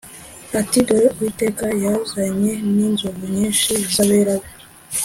ati “dore uwiteka yazanye n’inzovu nyinshi z’abera be,